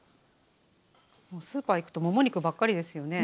スーパー行くともも肉ばっかりですよね。